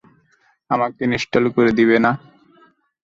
আমাকে ইন্সটল করে দিবে না?